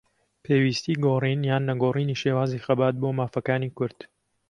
پێویستیی گۆڕین یان نەگۆڕینی شێوازی خەبات بۆ مافەکانی کورد